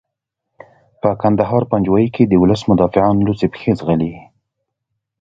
په کندهار پنجوايي کې د ولس مدافعان لوڅې پښې ځغلي.